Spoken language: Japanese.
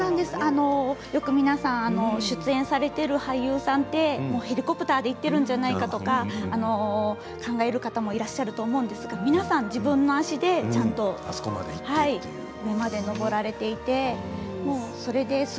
よく皆さん、出演されている俳優さんってヘリコプターで行っているんじゃないかと考える方もいらっしゃるんですが皆さん自分の足でちゃんとあそこまで行って今までのを撮られています。